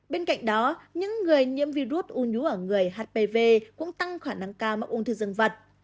bên cạnh đó những người nhiễm virus u nhú ở người hpv cũng tăng khả năng ca mắc ung thư dân vật